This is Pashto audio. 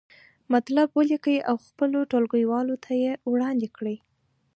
مطلب ولیکئ او خپلو ټولګیوالو ته یې وړاندې کړئ.